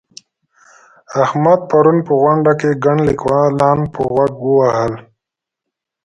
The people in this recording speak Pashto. احمد پرون په غونډه کې ګڼ ليکوالان په غوږ ووهل.